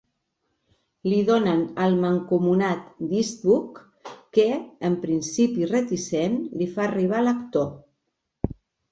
Li donen al mancomunat d'Eastwood que, en principi reticent, li fa arribar a l'actor.